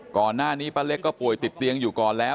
ก่อนหน้านี้ป้าเล็กก็ป่วยติดเตียงอยู่ก่อนแล้ว